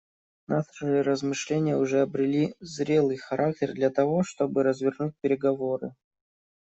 Наши размышления уже обрели зрелый характер для того, чтобы развернуть переговоры.